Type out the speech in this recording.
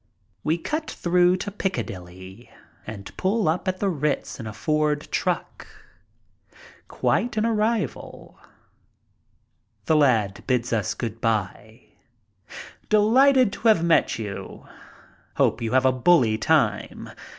We cut through to Piccadilly and pull up at the Ritz in a Ford truck. Quite an arrival. The lad bids us good by. "Delighted to have met you. Hope you have a bully time.